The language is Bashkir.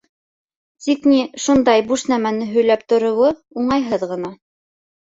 Тик, ни, шундай буш нәмәне һөйләп тороуы уңайһыҙ ғына...